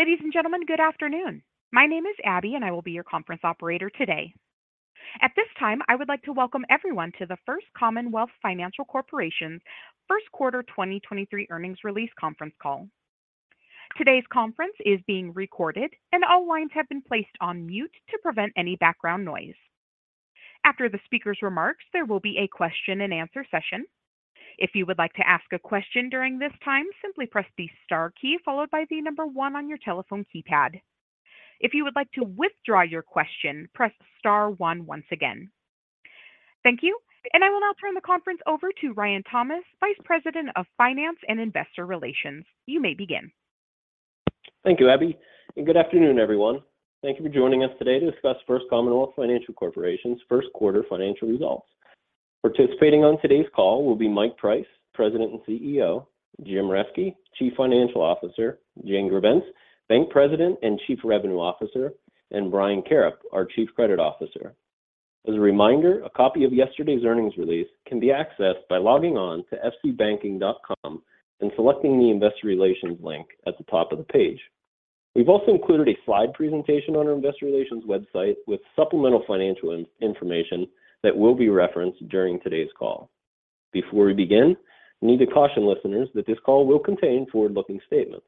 Ladies and gentlemen, good afternoon. My name is Abby, and I will be your conference operator today. At this time, I would like to welcome everyone to the First Commonwealth Financial Corporation Q1 2023 earnings release conference call. Today's conference is being recorded and all lines have been placed on mute to prevent any background noise. After the speaker's remarks, there will be a question-and-answer session. If you would like to ask a question during this time, simply press the star key followed by the number one on your telephone keypad. If you would like to withdraw your question, press star one once again. Thank you, and I will now turn the conference over to Ryan Thomas, Vice President of Finance and Investor Relations. You may begin. Thank you, Abby. Good afternoon, everyone. Thank you for joining us today to discuss First Commonwealth Financial Corporation's first quarter financial results. Participating on today's call will be Mike Price, President and CEO, Jim Reske, Chief Financial Officer, Jane Grebenc, Bank President and Chief Revenue Officer, and Brian Karrip, our Chief Credit Officer. As a reminder, a copy of yesterday's earnings release can be accessed by logging on to fcbanking.com and selecting the Investor Relations link at the top of the page. We've also included a slide presentation on our Investor Relations website with supplemental financial information that will be referenced during today's call. Before we begin, we need to caution listeners that this call will contain forward-looking statements.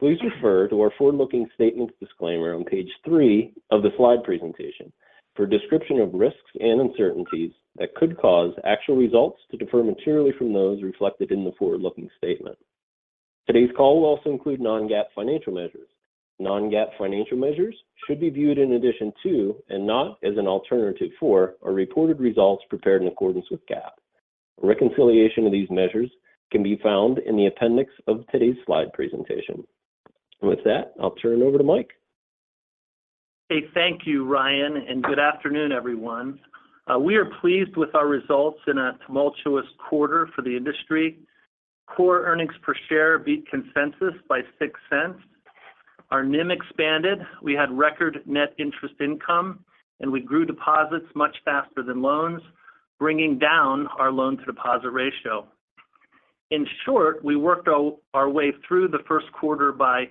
Please refer to our forward-looking statements disclaimer on page three of the slide presentation for a description of risks and uncertainties that could cause actual results to differ materially from those reflected in the forward-looking statement. Today's call will also include non-GAAP financial measures. Non-GAAP financial measures should be viewed in addition to, and not as an alternative for, our reported results prepared in accordance with GAAP. A reconciliation of these measures can be found in the appendix of today's slide presentation. With that, I'll turn it over to Mike. Okay. Thank you, Ryan. Good afternoon, everyone. We are pleased with our results in a tumultuous quarter for the industry. Core earnings per share beat consensus by $0.06. Our NIM expanded. We had record net interest income. We grew deposits much faster than loans, bringing down our loan-to-deposit ratio. In short, we worked our way through the first quarter by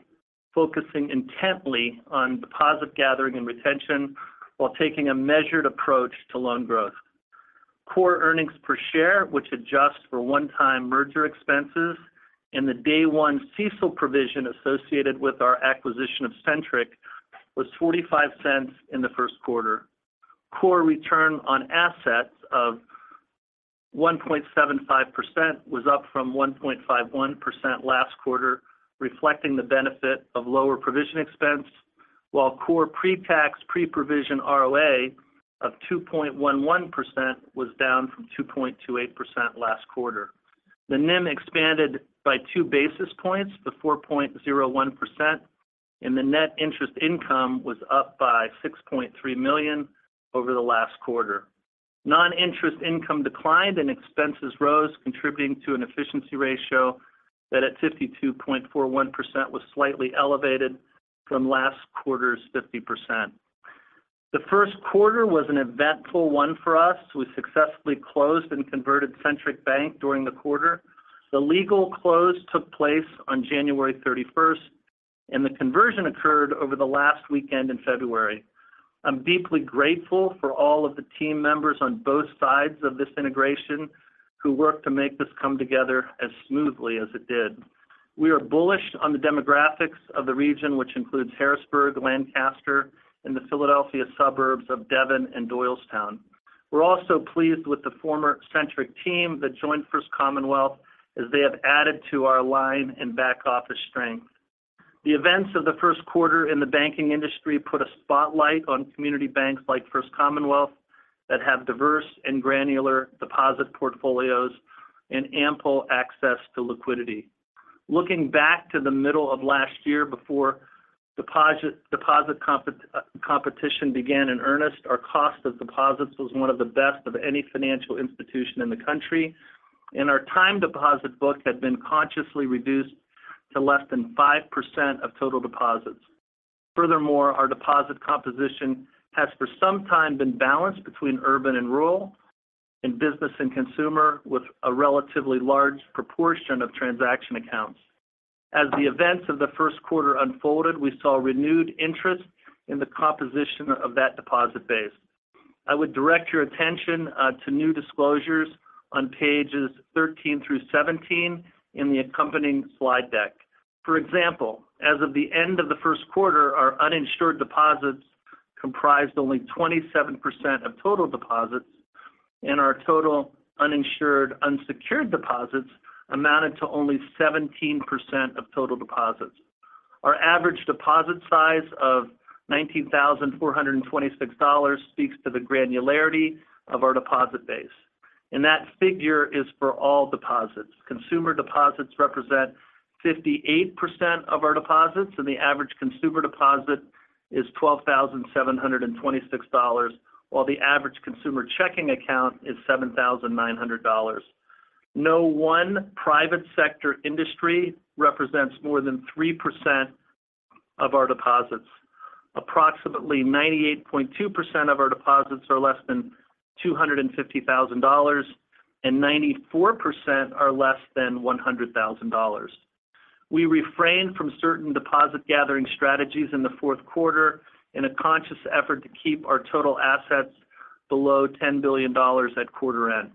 focusing intently on deposit gathering and retention while taking a measured approach to loan growth. Core earnings per share, which adjusts for one-time merger expenses and the day one CECL provision associated with our acquisition of Centric, was $00.45 in the first quarter. Core return on assets of 1.75% was up from 1.51% last quarter, reflecting the benefit of lower provision expense, while core pre-tax, pre-provision ROA of 2.11% was down from 2.28% last quarter. The NIM expanded by two basis points to 4.01%, and the net interest income was up by $6.3 million over the last quarter. Non-interest income declined, and expenses rose, contributing to an efficiency ratio that at 52.41% was slightly elevated from last quarter's 50%. The first quarter was an eventful one for us. We successfully closed and converted Centric Bank during the quarter. The legal close took place on January 31st, and the conversion occurred over the last weekend in February. I'm deeply grateful for all of the team members on both sides of this integration who worked to make this come together as smoothly as it did. We are bullish on the demographics of the region, which includes Harrisburg, Lancaster, and the Philadelphia suburbs of Devon and Doylestown. We're also pleased with the former Centric team that joined First Commonwealth, as they have added to our line and back office strength. The events of the first quarter in the banking industry put a spotlight on community banks like First Commonwealth that have diverse and granular deposit portfolios and ample access to liquidity. Looking back to the middle of last year before deposit competition began in earnest, our cost of deposits was one of the best of any financial institution in the country, and our time deposit book had been consciously reduced to less than 5% of total deposits. Furthermore, our deposit composition has for some time been balanced between urban and rural, and business and consumer, with a relatively large proportion of transaction accounts. As the events of the first quarter unfolded, we saw renewed interest in the composition of that deposit base. I would direct your attention to new disclosures on pages 13 through 17 in the accompanying slide deck. For example, as of the end of the first quarter, our uninsured deposits comprised only 27% of total deposits, and our total uninsured unsecured deposits amounted to only 17% of total deposits. Our average deposit size of $19,426 speaks to the granularity of our deposit base, and that figure is for all deposits. Consumer deposits represent 58% of our deposits, and the average consumer deposit is $12,726, while the average consumer checking account is $7,900. No one private sector industry represents more than 3% of our deposits. Approximately 98.2% of our deposits are less than $250,000, and 94% are less than $100,000. We refrained from certain deposit gathering strategies in the fourth quarter in a conscious effort to keep our total assets below $10 billion at quarter end.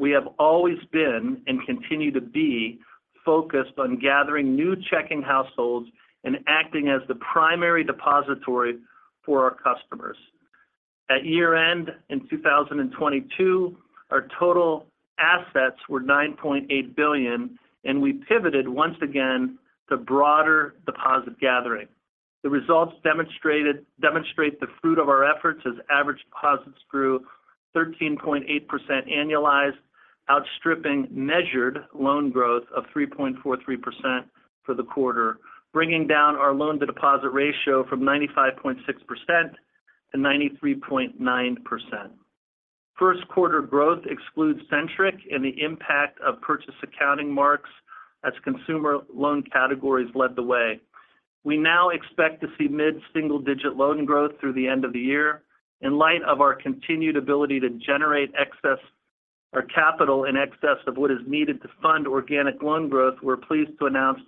We have always been and continue to be focused on gathering new checking households and acting as the primary depository for our customers. At year-end in 2022, our total assets were $9.8 billion, and we pivoted once again to broader deposit gathering. The results demonstrate the fruit of our efforts as average deposits grew 13.8% annualized, outstripping measured loan growth of 3.43% for the quarter, bringing down our loan to deposit ratio from 95.6% to 93.9%. First quarter growth excludes Centric and the impact of purchase accounting marks as consumer loan categories led the way. We now expect to see mid-single digit loan growth through the end of the year. In light of our continued ability to generate capital in excess of what is needed to fund organic loan growth, we're pleased to announce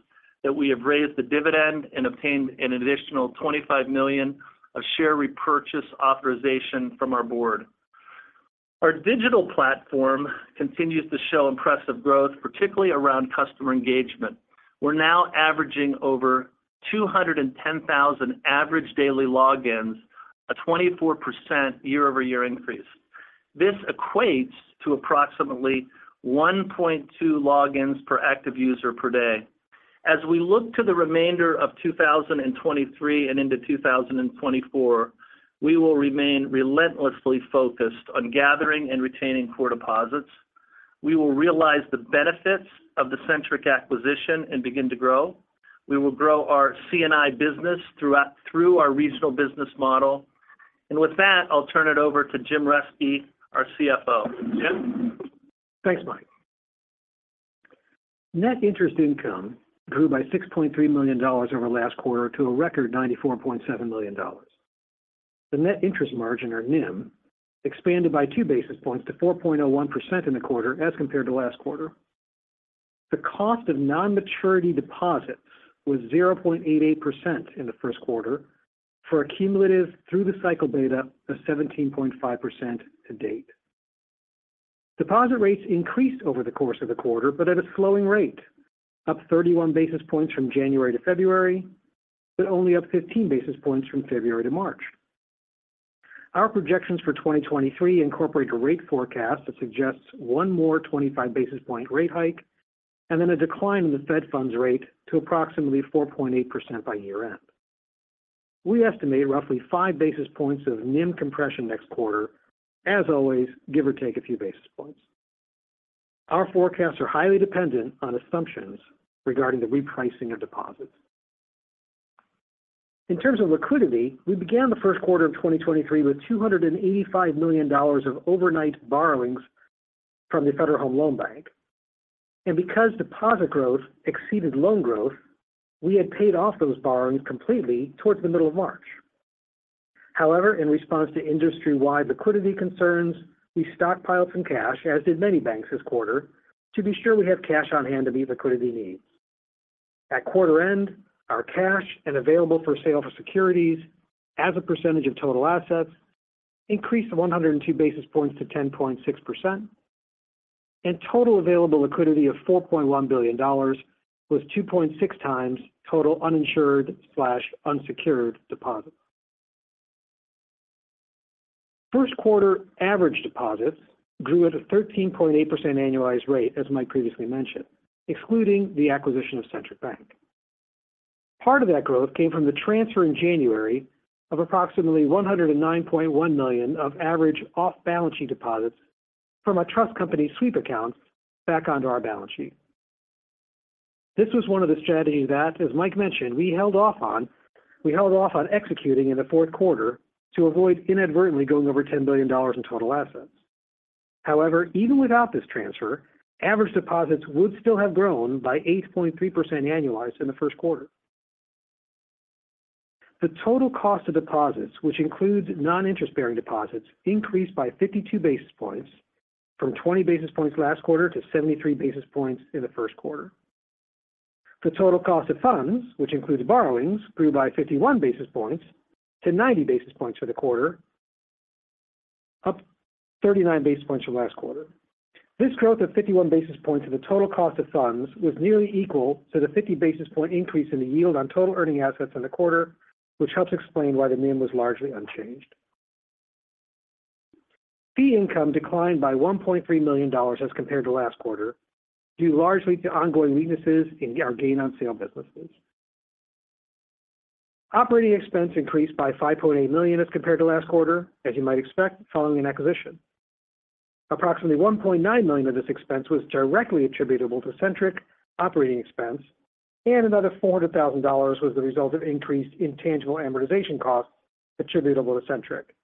that we have raised the dividend and obtained an additional $25 million of share repurchase authorization from our board. Our digital platform continues to show impressive growth, particularly around customer engagement. We're now averaging over 210,000 average daily logins, a 24% year-over-year increase. This equates to approximately 1.2 logins per active user per day. As we look to the remainder of 2023 and into 2024, we will remain relentlessly focused on gathering and retaining core deposits. We will realize the benefits of the Centric acquisition and begin to grow. We will grow our C&I business through our regional business model. With that, I'll turn it over to Jim Reske, our CFO. Jim? Thanks, Mike. Net interest income grew by $6.3 million over last quarter to a record $94.7 million. The net interest margin, or NIM, expanded by two basis points to 4.01% in the quarter as compared to last quarter. The cost of non-maturity deposits was 0.88% in the first quarter for a cumulative through the cycle beta of 17.5% to date. Deposit rates increased over the course of the quarter, but at a slowing rate, up 31 basis points from January to February, but only up 15 basis points from February to March. Our projections for 2023 incorporate a rate forecast that suggests one more 25 basis point rate hike and then a decline in the Fed funds rate to approximately 4.8% by year-end. We estimate roughly five basis points of NIM compression next quarter, as always, give or take a few basis points. Our forecasts are highly dependent on assumptions regarding the repricing of deposits. In terms of liquidity, we began the first quarter of 2023 with $285 million of overnight borrowings from the Federal Home Loan Bank. Because deposit growth exceeded loan growth, we had paid off those borrowings completely towards the middle of March. However, in response to industry-wide liquidity concerns, we stockpiled some cash, as did many banks this quarter, to be sure we have cash on hand to meet liquidity needs. At quarter end, our cash and available for sale for securities as a percentage of total assets increased 102 basis points to 10.6%, and total available liquidity of $4.1 billion was 2.6 times total uninsured/unsecured deposits. First quarter average deposits grew at a 13.8% annualized rate, as Mike previously mentioned, excluding the acquisition of Centric Bank. Part of that growth came from the transfer in January of approximately $109.1 million of average off-balance sheet deposits from a trust company sweep account back onto our balance sheet. This was one of the strategies that, as Mike mentioned, we held off on executing in the fourth quarter to avoid inadvertently going over $10 billion in total assets. Even without this transfer, average deposits would still have grown by 8.3% annualized in the first quarter. The total cost of deposits, which includes non-interest bearing deposits, increased by 52 basis points from 20 basis points last quarter to 73 basis points in the first quarter. The total cost of funds, which includes borrowings, grew by 51 basis points to 90 basis points for the quarter, up 39 basis points from last quarter. This growth of 51 basis points in the total cost of funds was nearly equal to the 50 basis point increase in the yield on total earning assets in the quarter, which helps explain why the NIM was largely unchanged. Fee income declined by $1.3 million as compared to last quarter, due largely to ongoing weaknesses in our gain on sale businesses. Operating expense increased by $5.8 million as compared to last quarter, as you might expect following an acquisition. Approximately $1.9 million of this expense was directly attributable to Centric operating expense, and another $400,000 was the result of increased intangible amortization costs attributable to Centric.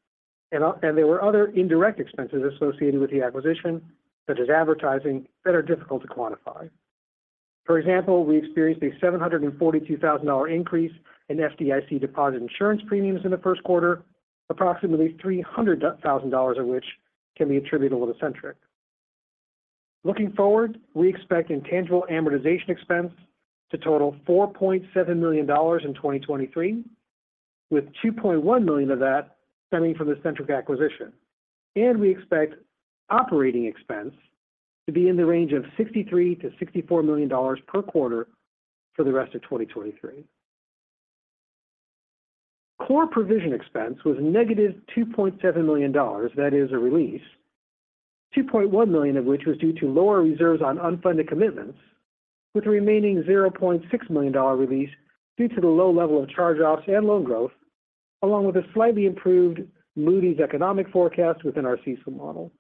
There were other indirect expenses associated with the acquisition, such as advertising, that are difficult to quantify. For example, we experienced a $742,000 increase in FDIC deposit insurance premiums in the first quarter, approximately $300,000 of which can be attributable to Centric. Looking forward, we expect intangible amortization expense to total $4.7 million in 2023, with $2.1 million of that stemming from the Centric acquisition. We expect operating expense to be in the range of $63 million-$64 million per quarter for the rest of 2023. Core provision expense was -$2.7 million, that is a release, $2.1 million of which was due to lower reserves on unfunded commitments, with the remaining $0.6 million release due to the low level of charge-offs and loan growth, along with a slightly improved Moody's economic forecast within our CECL model.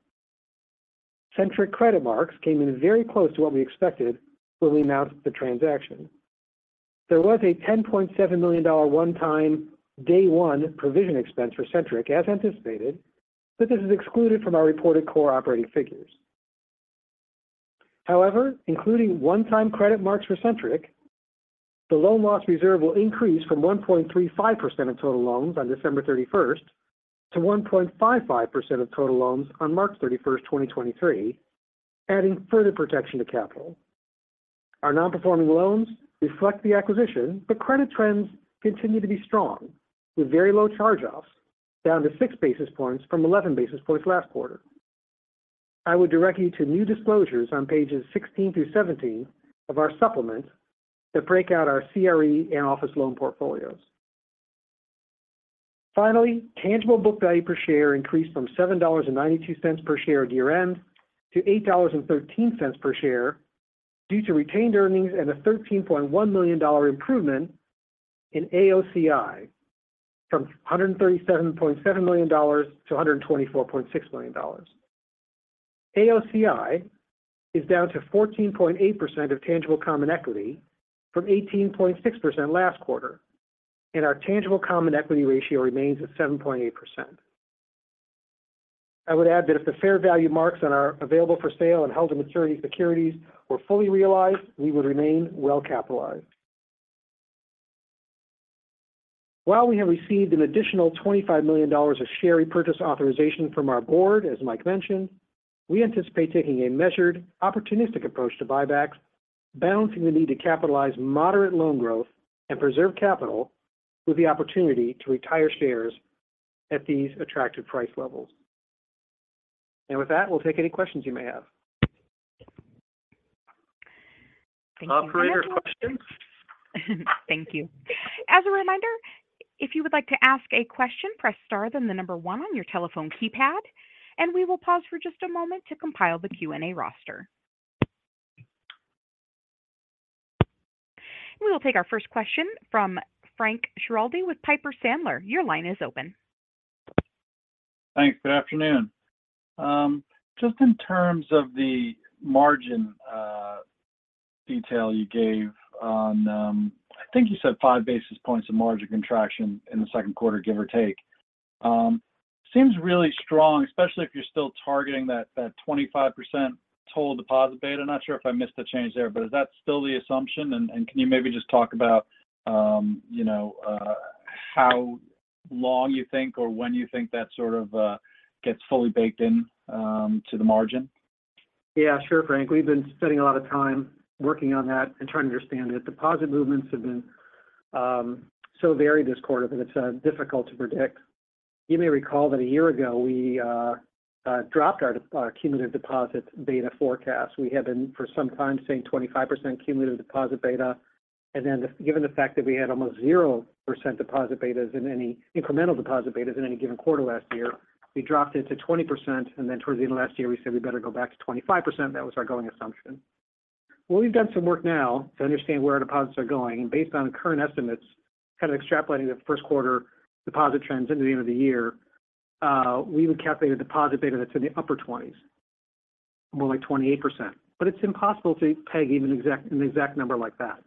Centric credit marks came in very close to what we expected when we announced the transaction. There was a $10.7 million one-time day one provision expense for Centric, as anticipated, but this is excluded from our reported core operating figures. Including one-time credit marks for Centric, the loan loss reserve will increase from 1.35% of total loans on December thirty-first to 1.55% of total loans on March thirty-first, 2023, adding further protection to capital. Our non-performing loans reflect the acquisition, but credit trends continue to be strong with very low charge-offs, down to six basis points from 11 basis points last quarter. I would direct you to new disclosures on pages 16 through 17 of our supplement that break out our CRE and office loan portfolios. Tangible book value per share increased from $7.92 per share at year-end to $8.13 per share due to retained earnings and a $13.1 million improvement in AOCI from $137.7 million to $124.6 million. AOCI is down to 14.8% of tangible common equity from 18.6% last quarter, and our tangible common equity ratio remains at 7.8%. I would add that if the fair value marks on our available for sale and held to maturity securities were fully realized, we would remain well capitalized. While we have received an additional $25 million of share repurchase authorization from our board, as Mike mentioned, we anticipate taking a measured opportunistic approach to buybacks, balancing the need to capitalize moderate loan growth and preserve capital with the opportunity to retire shares at these attractive price levels. With that, we'll take any questions you may have. Operator, questions? Thank you. As a reminder, if you would like to ask a question, press star, then one on your telephone keypad. We will pause for just a moment to compile the Q&A roster. We will take our first question from Frank Schiraldi with Piper Sandler. Your line is open. Thanks. Good afternoon. Just in terms of the margin, detail you gave on, I think you said five basis points of margin contraction in the second quarter, give or take. Seems really strong, especially if you're still targeting that 25% total deposit beta. Not sure if I missed the change there, but is that still the assumption? Can you maybe just talk about, you know, how long you think or when you think that sort of, gets fully baked in, to the margin? Yeah, sure, Frank. We've been spending a lot of time working on that and trying to understand it. Deposit movements have been so varied this quarter that it's difficult to predict. You may recall that a year ago we dropped our cumulative deposit beta forecast. We had been for some time saying 25% cumulative deposit beta. Given the fact that we had almost 0% deposit betas in incremental deposit betas in any given quarter last year, we dropped it to 20%, and then towards the end of last year we said we better go back to 25%. That was our going assumption. We've done some work now to understand where our deposits are going, and based on current estimates, kind of extrapolating the first quarter deposit trends into the end of the year, we would calculate a deposit beta that's in the upper 20s, more like 28%. It's impossible to peg even an exact number like that.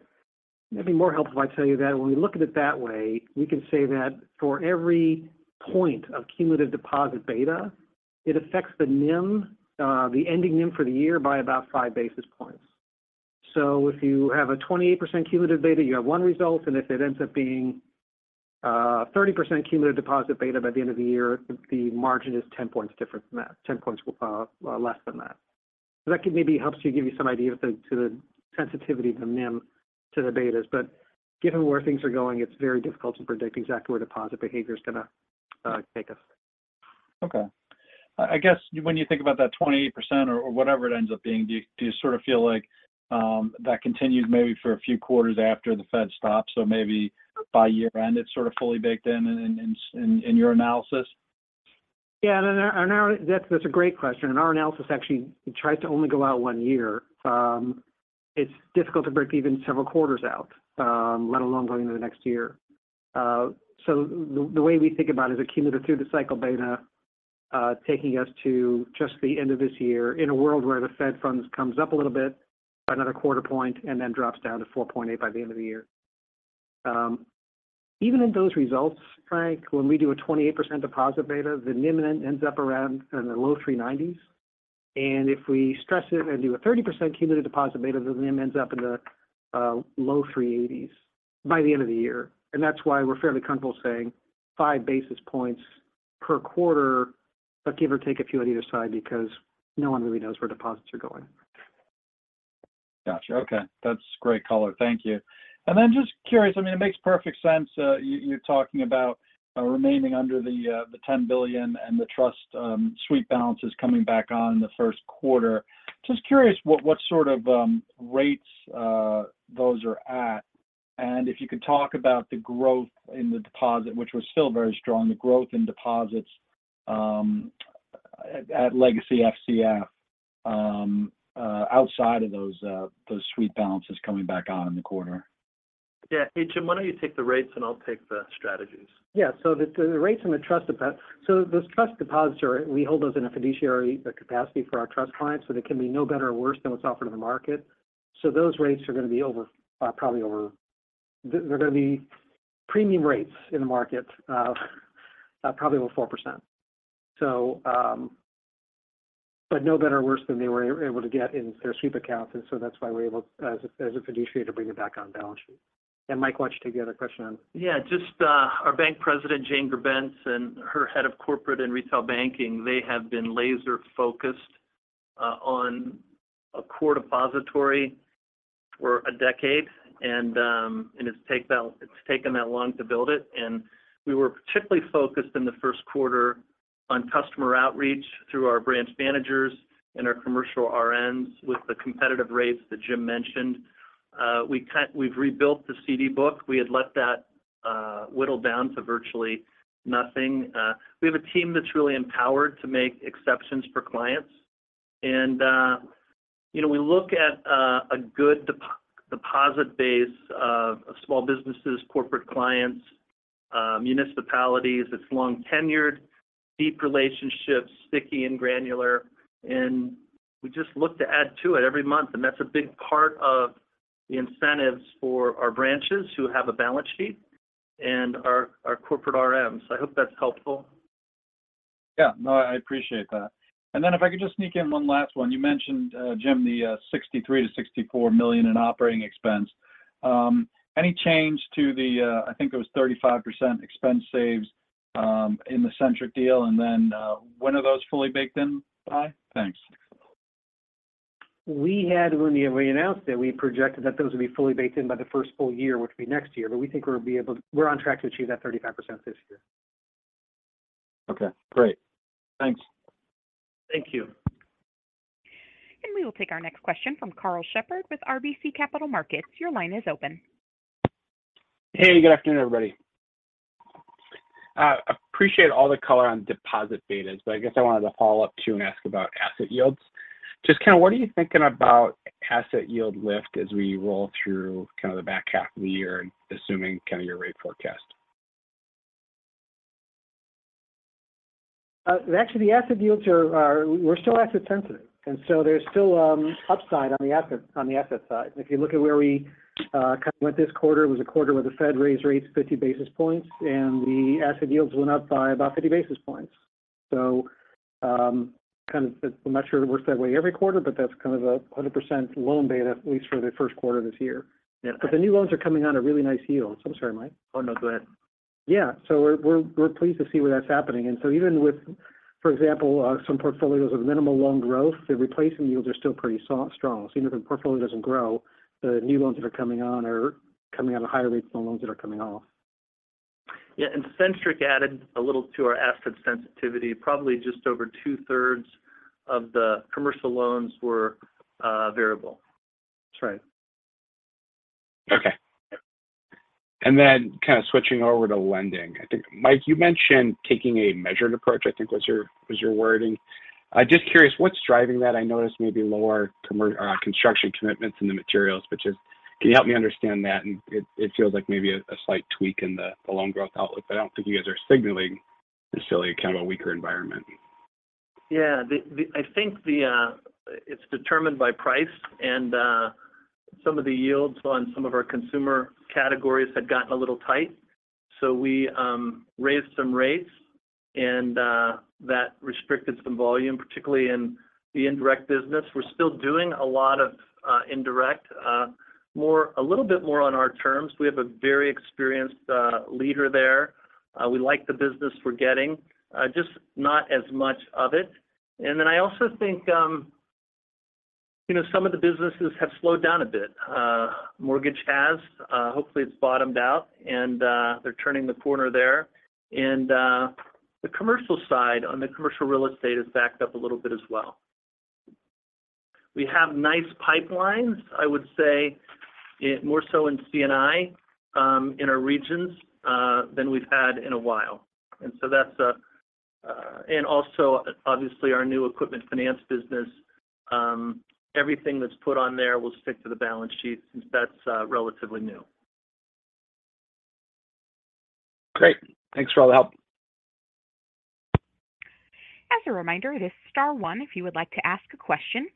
It'd be more helpful if I tell you that when we look at it that way, we can say that for every point of cumulative deposit beta, it affects the NIM, the ending NIM for the year by about five basis points. If you have a 28% cumulative beta, you have one result, and if it ends up being 30% cumulative deposit beta by the end of the year, the margin is 10 points different from that. 10 points less than that. That could maybe helps you give you some idea of to the sensitivity of the NIM to the betas. Given where things are going, it's very difficult to predict exactly where deposit behavior is gonna take us. Okay. I guess when you think about that 28% or whatever it ends up being, do you sort of feel like, that continues maybe for a few quarters after the Fed stops? Maybe by year-end it's sort of fully baked in your analysis? Yeah. That's a great question. In our analysis, actually we tried to only go out one year. It's difficult to break even several quarters out, let alone going into the next year. The way we think about is a cumulative through the cycle beta, taking us to just the end of this year in a world where the Fed funds comes up a little bit by another quarter point and then drops down to 4.8 by the end of the year. Even in those results, Frank, when we do a 28% deposit beta, the NIM ends up around in the low 390s. If we stress it and do a 30% cumulative deposit beta, the NIM ends up in the low 380s by the end of the year. That's why we're fairly comfortable saying five basis points per quarter, but give or take a few on either side because no one really knows where deposits are going. Gotcha. Okay. That's great color. Thank you. Just curious, I mean, it makes perfect sense, you're talking about remaining under the $10 billion and the trust, sweep balances coming back on in the first quarter. Just curious what sort of rates those are at, and if you could talk about the growth in the deposit, which was still very strong, the growth in deposits, at Legacy FCF, outside of those sweep balances coming back on in the quarter? Yeah. Hey, Jim, why don't you take the rates, and I'll take the strategies. Yeah. We hold those in a fiduciary capacity for our trust clients, so they can be no better or worse than what's offered on the market. Those rates are going to be over. They're going to be premium rates in the market, probably over 4%. But no better or worse than they were able to get in their sweep accounts, that's why we're able, as a fiduciary, to bring it back on the balance sheet. Mike, why don't you take the other question on? Yeah. Just, our Bank President, Jane Grebenc, and her head of corporate and retail banking, they have been laser-focused on a core depository for a decade. It's taken that long to build it. We were particularly focused in the first quarter on customer outreach through our branch managers and our commercial RMs with the competitive rates that Jim mentioned. We've rebuilt the CD book. We had let that whittle down to virtually nothing. We have a team that's really empowered to make exceptions for clients. You know, we look at a good deposit base of small businesses, corporate clients, municipalities. It's long-tenured, deep relationships, sticky and granular, and we just look to add to it every month. That's a big part of the incentives for our branches who have a balance sheet and our corporate RMs. I hope that's helpful. Yeah. No, I appreciate that. If I could just sneak in one last one. You mentioned, Jim, the $63 million-$64 million in operating expense. Any change to the, I think it was 35% expense saves, in the Centric deal? When are those fully baked in, by? Thanks. When we announced it, we projected that those would be fully baked in by the first full year, which would be next year. We think we're on track to achieve that 35% this year. Okay, great. Thanks. Thank you. We will take our next question from Karl Shepard with RBC Capital Markets. Your line is open. Hey, good afternoon, everybody. Appreciate all the color on deposit betas. I guess I wanted to follow up, too, and ask about asset yields. Just kind of what are you thinking about asset yield lift as we roll through kind of the back half of the year, assuming kind of your rate forecast? Actually, the asset yields we're still asset sensitive, and so there's still upside on the asset side. If you look at where we kind of went this quarter, it was a quarter where the Fed raised rates 50 basis points, and the asset yields went up by about 50 basis points. I'm not sure it works that way every quarter, but that's kind of the 100% loan beta, at least for the first quarter this year. Yeah. The new loans are coming on at really nice yields. I'm sorry, Mike. Oh, no, go ahead. Yeah. We're pleased to see where that's happening. Even with, for example, some portfolios with minimal loan growth, the replacement yields are still pretty strong. Even if a portfolio doesn't grow, the new loans that are coming on are coming out at higher rates than the loans that are coming off. Yeah. Centric added a little to our asset sensitivity. Probably just over two-thirds of the commercial loans were variable. That's right. Okay. Then kind of switching over to lending. I think, Mike, you mentioned taking a measured approach, I think was your wording. I'm just curious, what's driving that? I noticed maybe lower construction commitments in the materials, just can you help me understand that? It feels like maybe a slight tweak in the loan growth outlook, I don't think you guys are signaling necessarily kind of a weaker environment. Yeah. I think it's determined by price and some of the yields on some of our consumer categories had gotten a little tight. We raised some rates, and that restricted some volume, particularly in the indirect business. We're still doing a lot of indirect, a little bit more on our terms. We have a very experienced leader there. We like the business we're getting, just not as much of it. I also think, you know, some of the businesses have slowed down a bit. Mortgage has. Hopefully it's bottomed out and they're turning the corner there. The commercial side on the commercial real estate has backed up a little bit as well. We have nice pipelines, I would say, more so in C&I, in our regions, than we've had in a while. Also obviously our new equipment finance business, everything that's put on there will stick to the balance sheet since that's relatively new. Great. Thanks for all the help. As a reminder, it is star one if you would like to ask a question.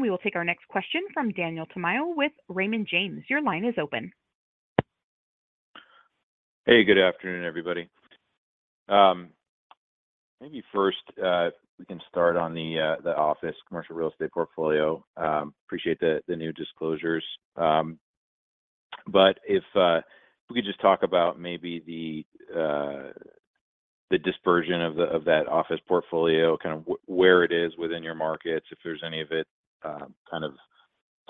We will take our next question from Daniel Tamayo with Raymond James. Your line is open. Hey, good afternoon, everybody. Maybe first, we can start on the office commercial real estate portfolio. Appreciate the new disclosures. If we could just talk about maybe the dispersion of that office portfolio, kind of where it is within your markets, if there's any of it, kind of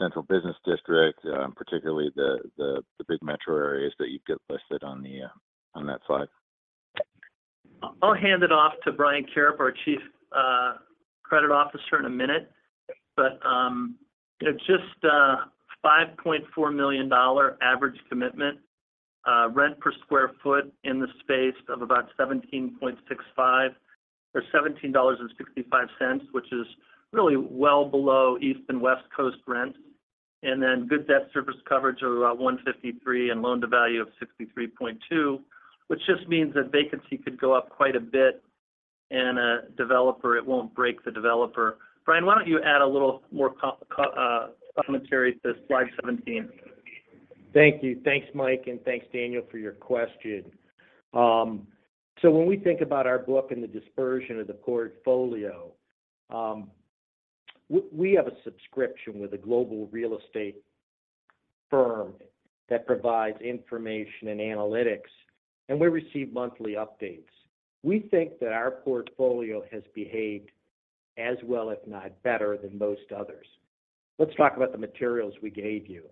central business district, particularly the big metro areas that you've got listed on that slide. I'll hand it off to Brian Karrip, our Chief Credit Officer in a minute. You know, just a $5.4 million average commitment. Rent per square foot in the space of about 17.65, or $17.65, which is really well below East and West Coast rent. Good debt service coverage of about 153 and loan-to-value of 63.2, which just means that vacancy could go up quite a bit and a developer, it won't break the developer. Brian, why don't you add a little more commentary to slide 17. Thank you. Thanks Mike, and thanks Daniel for your question. When we think about our book and the dispersion of the portfolio, we have a subscription with a global real estate firm that provides information and analytics, and we receive monthly updates. We think that our portfolio has behaved as well, if not better than most others. Let's talk about the materials we gave you.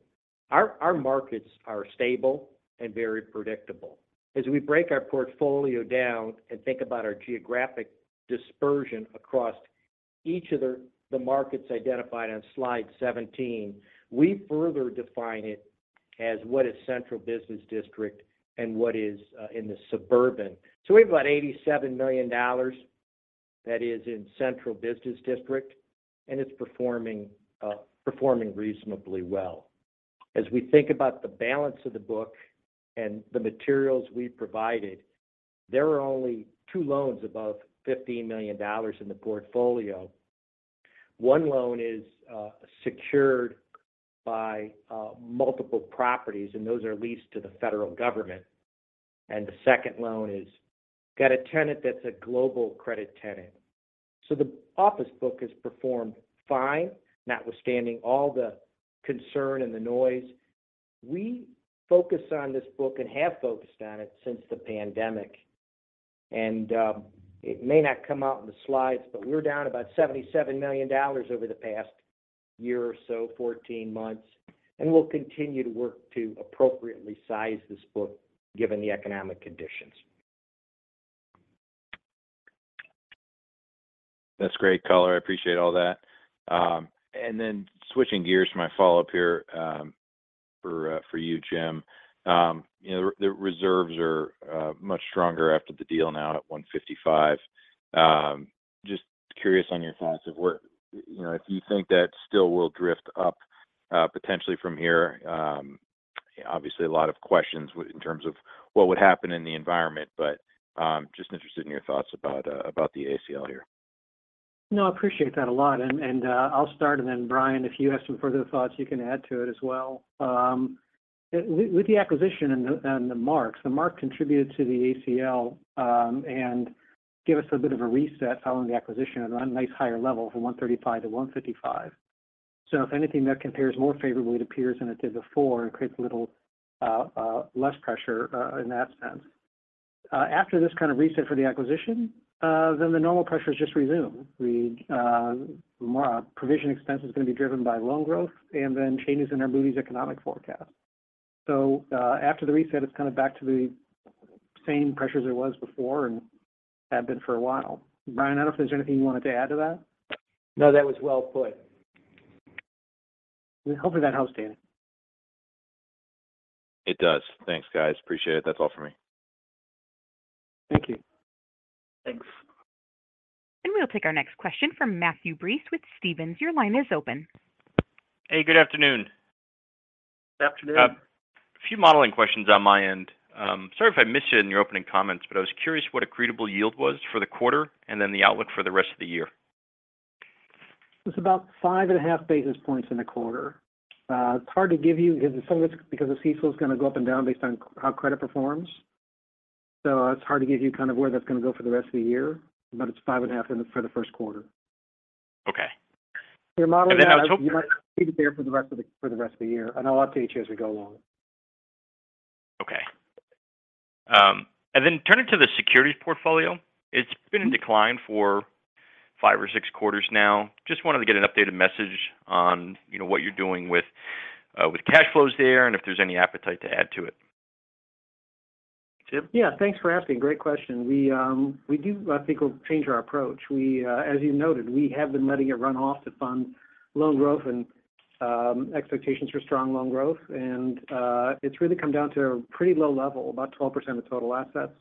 Our markets are stable and very predictable. As we break our portfolio down and think about our geographic dispersion across each of the markets identified on slide 17, we further define it as what is central business district and what is in the suburban. We have about $87 million that is in central business district, and it's performing reasonably well. As we think about the balance of the book and the materials we provided, there are only two loans above $15 million in the portfolio. One loan is secured by multiple properties, and those are leased to the federal government. The second loan has got a tenant that's a global credit tenant. The office book has performed fine, notwithstanding all the concern and the noise. We focus on this book and have focused on it since the pandemic. It may not come out in the slides, but we're down about $77 million over the past year or so, 14 months, and we'll continue to work to appropriately size this book given the economic conditions. That's great color. I appreciate all that. Switching gears for my follow-up here, for you, Jim. You know, the reserves are much stronger after the deal now at 155. Just curious on your thoughts of where, you know, if you think that still will drift up potentially from here. Obviously a lot of questions in terms of what would happen in the environment, but just interested in your thoughts about the ACL here. No, I appreciate that a lot. I'll start, and then Brian, if you have some further thoughts, you can add to it as well. With the acquisition and the marks, the mark contributed to the ACL, and gave us a bit of a reset following the acquisition at a nice higher level from 135 to 155. If anything that compares more favorably, it appears than it did before and creates a little less pressure, in that sense. After this kind of reset for the acquisition, then the normal pressures just resume. We, more provision expense is going to be driven by loan growth and then changes in our Moody's economic forecast. After the reset, it's kind of back to the same pressures it was before and have been for a while. Brian, I don't know if there's anything you wanted to add to that. No, that was well put. Hopefully that helps, Daniel. It does. Thanks, guys. Appreciate it. That's all for me. Thank you. Thanks. we'll take our next question from Matthew Breese with Stephens. Your line is open. Hey, good afternoon. Good afternoon. A few modeling questions on my end. Sorry if I missed it in your opening comments, but I was curious what accretable yield was for the quarter and then the outlook for the rest of the year. It's about five and a half basis points in the quarter. It's hard to give you because some of it because the CECL is going to go up and down based on how credit performs. It's hard to give you kind of where that's going to go for the rest of the year. It's five and a half for the first quarter. Okay. You're modeling that- I was hoping. You might see it there for the rest of the year, and I'll update you as we go along. Okay. Turning to the securities portfolio. It's been in decline for five or six quarters now. Just wanted to get an updated message on, you know, what you're doing with cash flows there and if there's any appetite to add to it. Jim? Yeah, thanks for asking. Great question. We, I think we'll change our approach. We, as you noted, we have been letting it run off to fund loan growth and expectations for strong loan growth. It's really come down to a pretty low level, about 12% of total assets.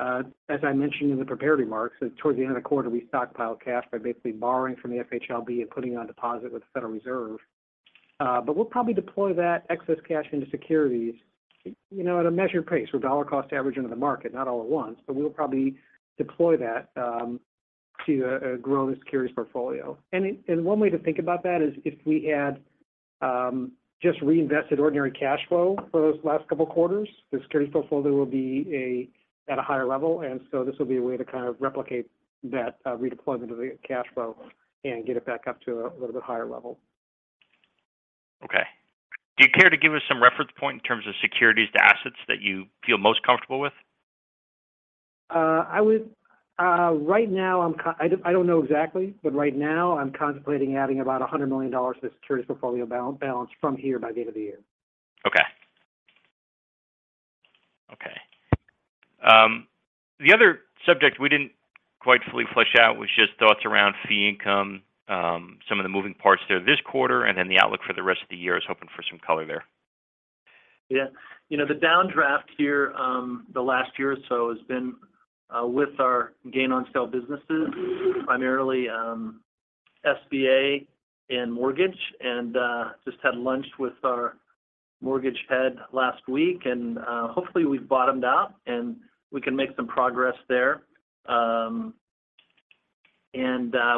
As I mentioned in the prepared remarks, towards the end of the quarter, we stockpiled cash by basically borrowing from the FHLB and putting it on deposit with the Federal Reserve. We'll probably deploy that excess cash into securities, you know, at a measured pace. We're dollar cost average into the market, not all at once. We'll probably deploy that, to grow the securities portfolio. One way to think about that is if we add, just reinvested ordinary cash flow for those last couple of quarters, the security portfolio will be at a higher level. This will be a way to kind of replicate that redeployment of the cash flow and get it back up to a little bit higher level. Okay. Do you care to give us some reference point in terms of securities to assets that you feel most comfortable with? Right now I don't know exactly, but right now I'm contemplating adding about $100 million to the securities portfolio balance from here by the end of the year. Okay. Okay. The other subject we didn't quite fully flesh out was just thoughts around fee income, some of the moving parts there this quarter, and then the outlook for the rest of the year. I was hoping for some color there. Yeah. You know, the downdraft here, the last year or so has been, with our gain on sale businesses, primarily, SBA and mortgage. Just had lunch with our mortgage head last week, and hopefully we've bottomed out, and we can make some progress there.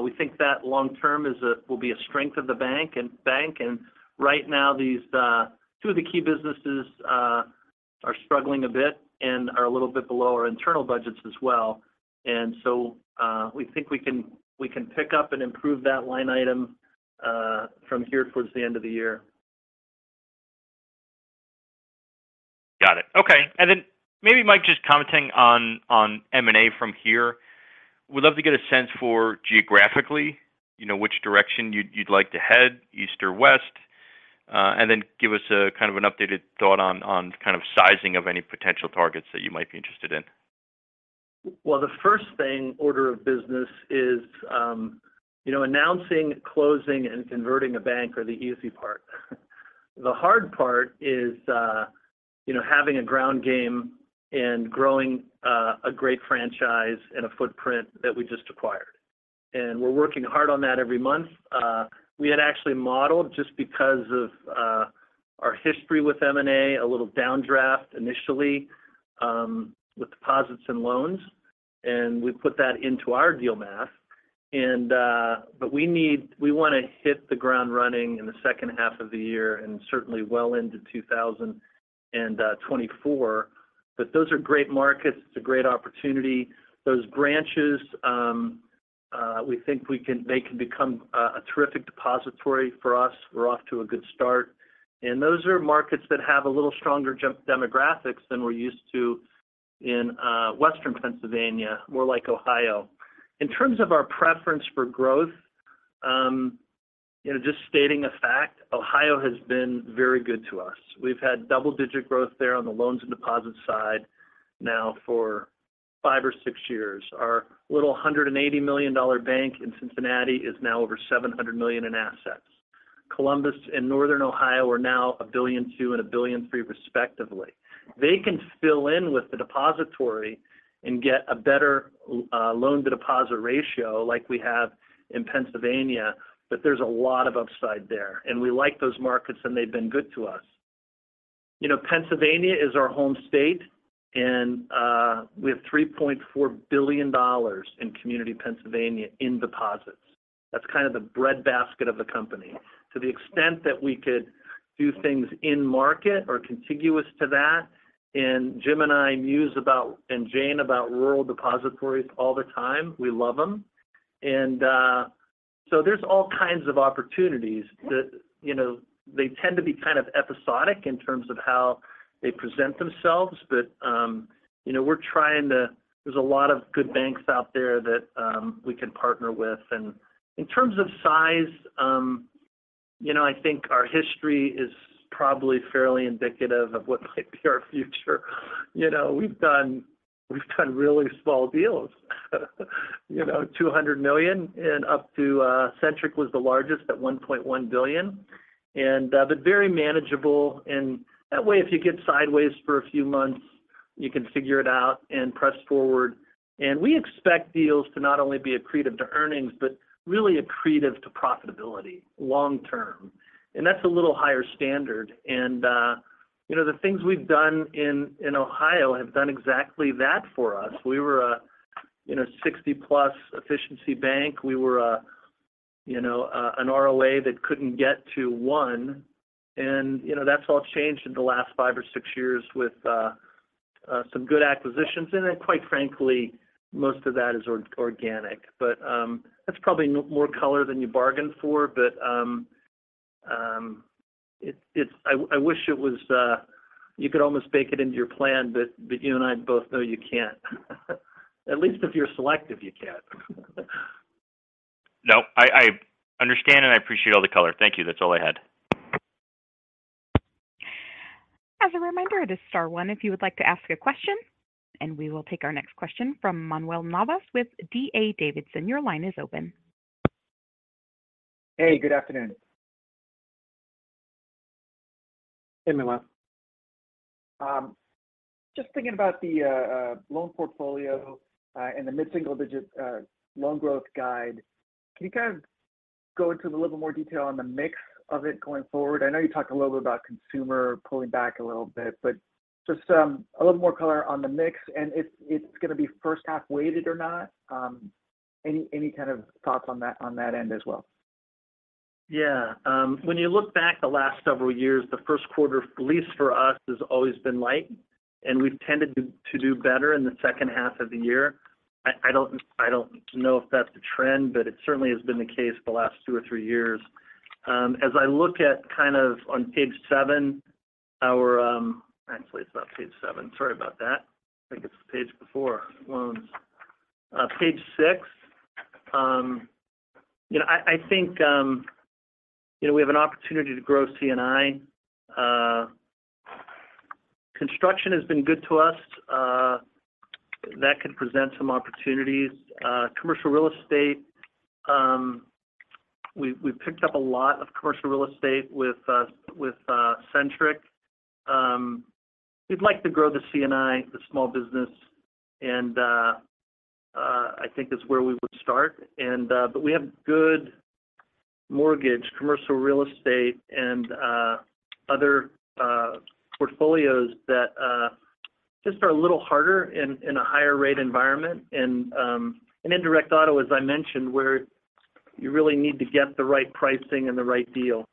We think that long term will be a strength of the bank. Right now, these, two of the key businesses, are struggling a bit and are a little bit below our internal budgets as well. We think we can, we can pick up and improve that line item, from here towards the end of the year. Got it. Okay. Maybe, Mike, just commenting on M&A from here. Would love to get a sense for geographically, you know, which direction you'd like to head, east or west. Give us a kind of an updated thought on kind of sizing of any potential targets that you might be interested in. Well, the first thing order of business is, you know, announcing, closing, and converting a bank are the easy part. The hard part is, you know, having a ground game and growing a great franchise and a footprint that we just acquired. We're working hard on that every month. We had actually modeled just because of our history with M&A, a little downdraft initially, with deposits and loans, and we put that into our deal math. We wanna hit the ground running in the second half of the year and certainly well into 2024. Those are great markets. It's a great opportunity. Those branches, we think they can become a terrific depository for us. We're off to a good start. Those are markets that have a little stronger demographics than we're used to in Western Pennsylvania, more like Ohio. In terms of our preference for growth, you know, just stating a fact, Ohio has been very good to us. We've had double-digit growth there on the loans and deposits side now for five or six years. Our little $180 million bank in Cincinnati is now over $700 million in assets. Columbus and Northern Ohio are now $1.2 billion and $1.3 billion, respectively. They can fill in with the depository and get a better loan to deposit ratio like we have in Pennsylvania. There's a lot of upside there, and we like those markets, and they've been good to us. You know, Pennsylvania is our home state, we have $3.4 billion in community Pennsylvania in deposits. That's kind of the breadbasket of the company. To the extent that we could do things in market or contiguous to that, and Jim and I muse about, and Jane, about rural depositories all the time. We love them. So there's all kinds of opportunities that, you know, they tend to be kind of episodic in terms of how they present themselves. But, you know, we're trying to... There's a lot of good banks out there that we can partner with. In terms of size, you know, I think our history is probably fairly indicative of what might be our future. You know, we've done really small deals, you know, $200 million and up to Centric was the largest at $1.1 billion. Very manageable. That way, if you get sideways for a few months, you can figure it out and press forward. We expect deals to not only be accretive to earnings, but really accretive to profitability long term. That's a little higher standard. You know, the things we've done in Ohio have done exactly that for us. We were a, you know, 60-plus efficiency bank. We were a, you know, an ROA that couldn't get to one. You know, that's all changed in the last five or six years with some good acquisitions. Quite frankly, most of that is organic. That's probably more color than you bargained for. I wish it was, you could almost bake it into your plan. You and I both know you can't. At least if you're selective, you can't. No, I understand, and I appreciate all the color. Thank you. That's all I had. As a reminder, this is star one if you would like to ask a question. We will take our next question from Manuel Navas with D.A. Davidson. Your line is open. Hey, good afternoon. Hey, Manuel. Just thinking about the loan portfolio, and the mid-single digit loan growth guide. Can you kind of go into a little more detail on the mix of it going forward? I know you talked a little bit about consumer pulling back a little bit, but just a little more color on the mix and if it's gonna be first half weighted or not. Any kind of thoughts on that, on that end as well? Yeah. When you look back the last several years, the first quarter, at least for us, has always been light, and we've tended to do better in the second half of the year. I don't know if that's the trend, but it certainly has been the case the last 2 or 3 years. As I look at kind of on page 7, our. Actually, it's not page 7. Sorry about that. I think it's the page before loans. Page 6. You know, I think, you know, we have an opportunity to grow C&I. Construction has been good to us. That could present some opportunities. Commercial real estate, we picked up a lot of commercial real estate with Centric. We'd like to grow the C&I, the small business, I think that's where we would start. We have good mortgage, commercial real estate, and other portfolios that just are a little harder in a higher rate environment. Indirect auto, as I mentioned, where you really need to get the right pricing and the right deal.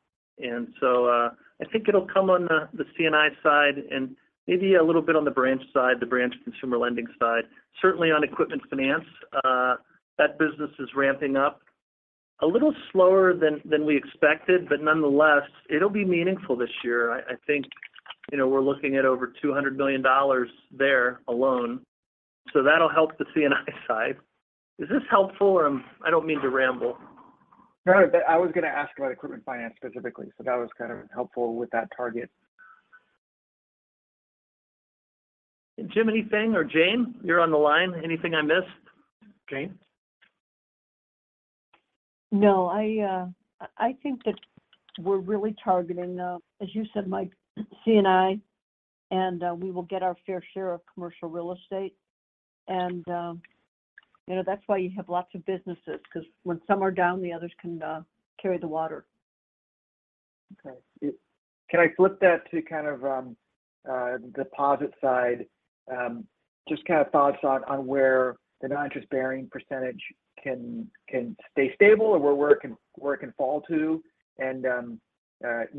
I think it'll come on the C&I side and maybe a little bit on the branch side, the branch consumer lending side. Certainly on equipment finance, that business is ramping up a little slower than we expected, but nonetheless, it'll be meaningful this year. I think, you know, we're looking at over $200 million there alone, that'll help the C&I side. Is this helpful or I don't mean to ramble. No, I was gonna ask about equipment finance specifically, so that was kind of helpful with that target. Jim, anything? Jane, you're on the line. Anything I missed? Jane? No. I think that we're really targeting, as you said, Mike, C&I. We will get our fair share of commercial real estate. You know, that's why you have lots of businesses, because when some are down, the others can, carry the water. Okay. Can I flip that to kind of deposit side? Just kind of thoughts on where the non-interest bearing % can stay stable or where it can fall to. You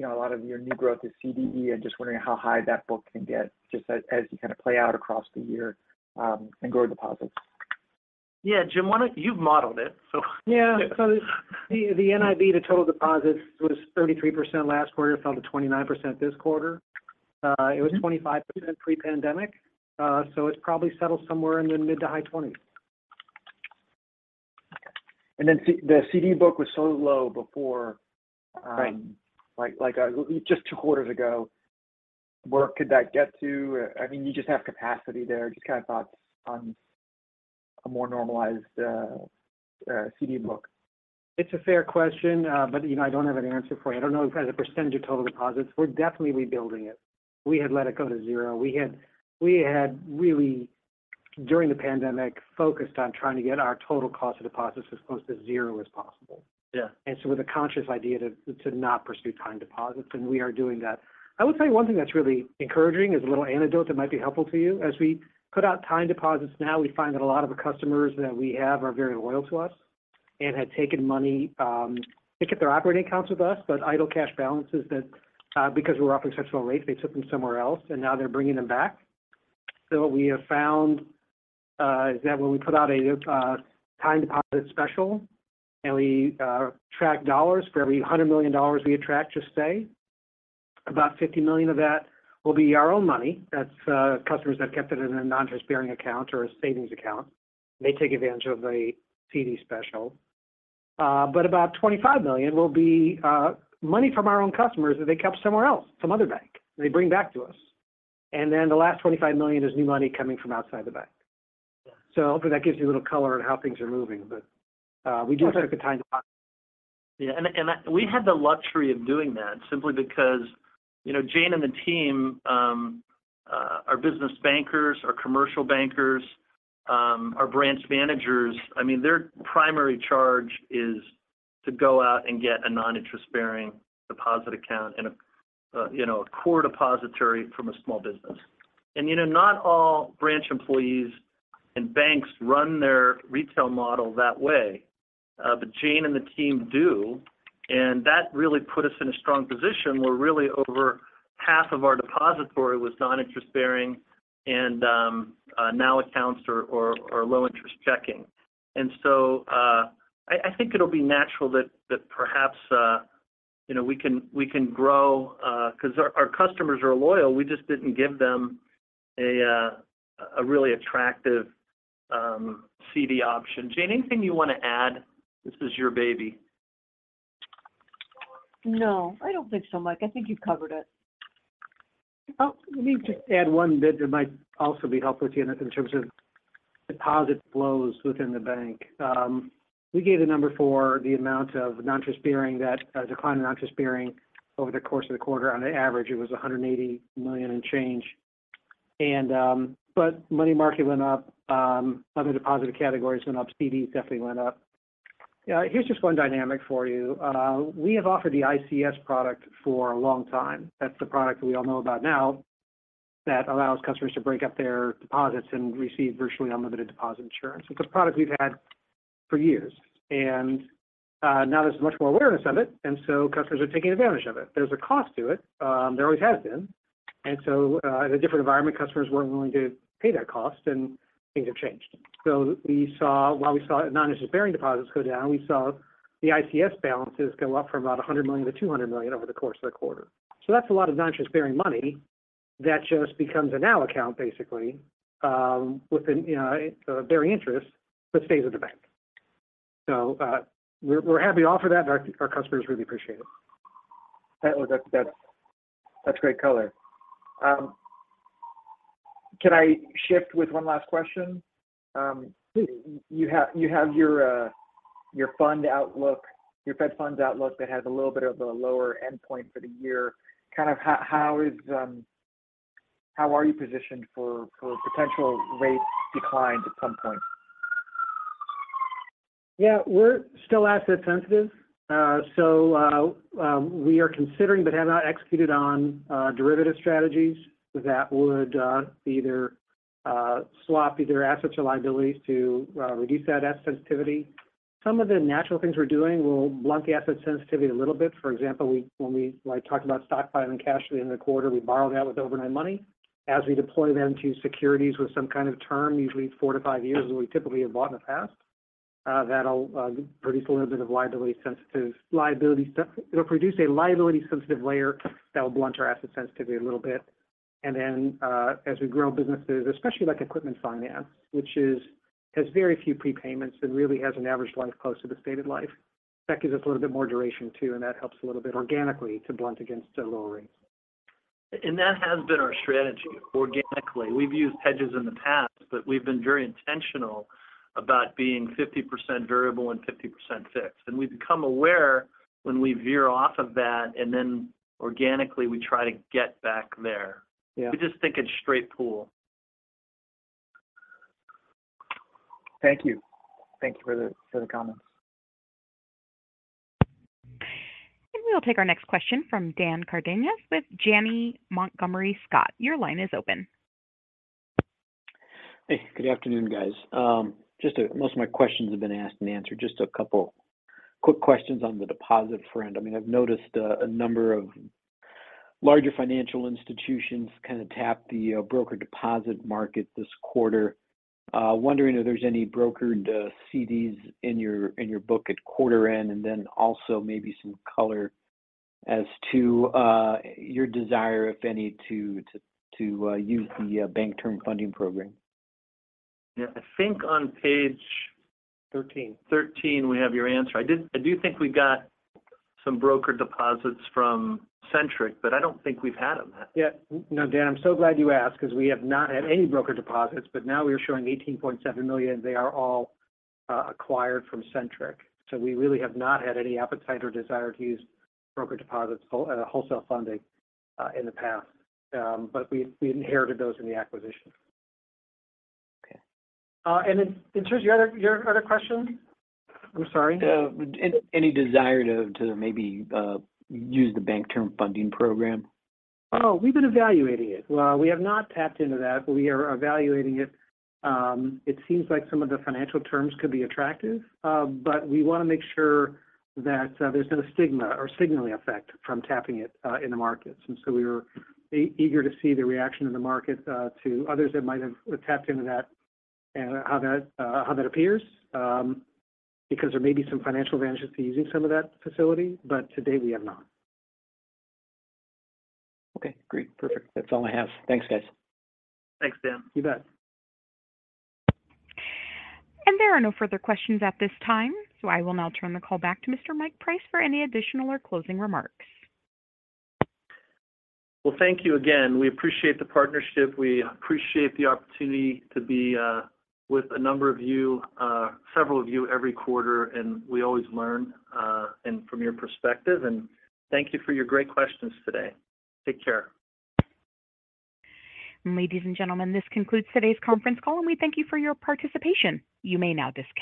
know, a lot of your new growth is CDD. I'm just wondering how high that book can get just as you kind of play out across the year and grow deposits. Yeah. Jim, why don't you... You've modeled it, so. Yeah. The NIB to total deposits was 33% last quarter. Fell to 29% this quarter. It was 25% pre-pandemic. It's probably settled somewhere in the mid- to high-20s. Then the CD book was so low before. Right like, just two quarters ago. Where could that get to? I mean, you just have capacity there. Just kind of thoughts on a more normalized CD book. It's a fair question, but you know, I don't have an answer for you. I don't know as a % of total deposits. We're definitely rebuilding it. We had let it go to 0. We had really, during the pandemic, focused on trying to get our total cost of deposits as close to zero as possible. Yeah. With a conscious idea to not pursue time deposits, and we are doing that. I will tell you one thing that's really encouraging is a little antidote that might be helpful to you. As we put out time deposits now, we find that a lot of the customers that we have are very loyal to us and had taken money to get their operating accounts with us. Idle cash balances that because we're offering such low rates, they took them somewhere else, and now they're bringing them back. What we have found is that when we put out a time deposit special and we track dollars for every $100 million we attract, just say about $50 million of that will be our own money. That's customers that kept it in a non-interest bearing account or a savings account. They take advantage of a CD special. About $25 million will be, money from our own customers that they kept somewhere else, some other bank they bring back to us. The last $25 million is new money coming from outside the bank. Yeah. Hopefully that gives you a little color on how things are moving. We do have the time deposit. Yeah. We had the luxury of doing that simply because, you know, Jane and the team, our business bankers, our commercial bankers, our branch managers, I mean, their primary charge is to go out and get a non-interest bearing deposit account and a, you know, a core depository from a small business. You know, not all branch employees and banks run their retail model that way. Jane and the team do, and that really put us in a strong position where really over half of our depository was non-interest bearing and, now accounts or, or low interest checking. I think it'll be natural that perhaps, you know, we can, we can grow, 'cause our customers are loyal. We just didn't give them a really attractive, CD option. Jane, anything you want to add? This is your baby. No, I don't think so, Mike. I think you've covered it. Let me just add one bit that might also be helpful to you in terms of deposit flows within the bank. We gave the number for the amount of non-interest-bearing that decline in non-interest-bearing over the course of the quarter. On average, it was $180 million in change. Money market went up. Other deposit categories went up. CDs definitely went up. Here's just one dynamic for you. We have offered the ICS product for a long time. That's the product we all know about now that allows customers to break up their deposits and receive virtually unlimited deposit insurance. It's a product we've had for years. Now there's much more awareness of it, and so customers are taking advantage of it. There's a cost to it, there always has been. In a different environment, customers weren't willing to pay that cost, and things have changed. We saw while we saw non-interest-bearing deposits go down, we saw the ICS balances go up from about $100 million to $200 million over the course of the quarter. That's a lot of non-interest-bearing money that just becomes a now account basically, within, you know, bearing interest, but stays at the bank. Our customers really appreciate it. That's great color. Can I shift with one last question? Please. You have your fund outlook, your Fed funds outlook that has a little bit of a lower endpoint for the year. Kind of how is, how are you positioned for potential rate declines at some point? Yeah. We're still asset sensitive. We are considering, but have not executed on, derivative strategies that would either swap either assets or liabilities to reduce that asset sensitivity. Some of the natural things we're doing will blunt the asset sensitivity a little bit. For example, when we like talked about stock buying and cash at the end of the quarter, we borrowed that with overnight money. As we deploy them to securities with some kind of term, usually four to five years, where we typically have bought in the past, that'll produce a liability sensitive layer that will blunt our asset sensitivity a little bit. As we grow businesses, especially like equipment finance, which has very few prepayments and really has an average life close to the stated life, that gives us a little bit more duration too, and that helps a little bit organically to blunt against the lower rates. That has been our strategy organically. We've used hedges in the past, but we've been very intentional about being 50% variable and 50% fixed. We become aware when we veer off of that, and then organically, we try to get back there. Yeah. We just think it's straight pool. Thank you. Thank you for the, for the comments. We'll take our next question from Dan Cardenas with Janney Montgomery Scott. Your line is open. Hey, good afternoon, guys. Just most of my questions have been asked and answered. Just a couple quick questions on the deposit front. I mean, I've noticed a number of larger financial institutions kind of tap the broker deposit market this quarter. Wondering if there's any brokered CDs in your, in your book at quarter end, and then also maybe some color as to your desire, if any, to use the Bank Term Funding Program? Yeah. I think on. Thirteen. 13, we have your answer. I do think we got some broker deposits from Centric, but I don't think we've had them. No, Dan, I'm so glad you asked because we have not had any broker deposits. Now we are showing $18.7 million. They are all acquired from Centric. We really have not had any appetite or desire to use broker deposits wholesale funding in the past. We inherited those in the acquisition. Okay. In terms of your other question? I'm sorry. Any desire to maybe use the Bank Term Funding Program? We've been evaluating it. Well, we have not tapped into that. We are evaluating it. It seems like some of the financial terms could be attractive. We wanna make sure that there's been a stigma or signaling effect from tapping it in the markets. We were eager to see the reaction in the market to others that might have tapped into that and how that appears, because there may be some financial advantages to using some of that facility. To date, we have not. Okay, great. Perfect. That's all I have. Thanks, guys. Thanks, Dan. You bet. There are no further questions at this time. I will now turn the call back to Mr. Mike Price for any additional or closing remarks. Well, thank you again. We appreciate the partnership. We appreciate the opportunity to be with a number of you, several of you every quarter. We always learn and from your perspective. Thank you for your great questions today. Take care. Ladies and gentlemen, this concludes today's conference call, and we thank you for your participation. You may now disconnect.